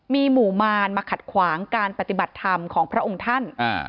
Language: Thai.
มีหมู่มารมาขัดขวางการปฏิบัติธรรมของพระองค์ท่าน